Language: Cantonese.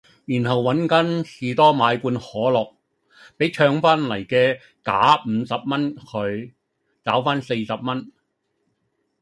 然後搵間士多買罐可樂，比唱翻黎既假五十蚊佢，找番四十蚊